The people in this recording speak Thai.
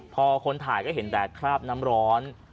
พอคนถ่ายก็เห็นแต่คราบน้ำร้อน